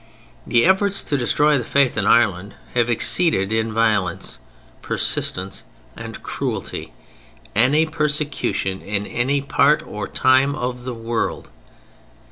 The efforts to destroy the Faith in Ireland have exceeded in violence, persistence, and cruelty any persecution in any part or time of the world.